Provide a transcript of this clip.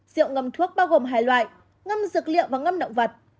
rượu ngâm thuốc bao gồm hai loại ngâm dược liệu và ngâm động vật